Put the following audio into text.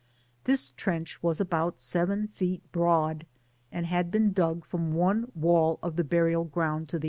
This trench was about seven feet broad, and had been dug from one wall of the burial ground to.